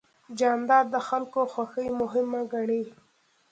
جانداد د خلکو خوښي مهمه ګڼي.